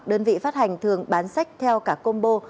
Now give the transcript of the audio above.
đơn vị phát hành thường bán sách theo cả combo